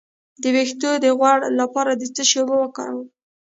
د ویښتو د غوړ لپاره د څه شي اوبه وکاروم؟